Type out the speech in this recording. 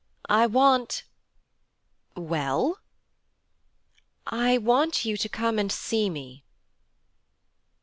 I want ' 'Well?' 'I want you to come and see me.'